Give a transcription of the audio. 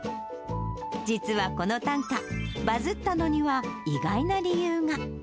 実は、この短歌、バズったのには意外な理由が。